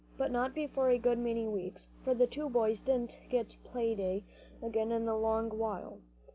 But not before a good many weeks, for the two boys didn't get play day again in a long while.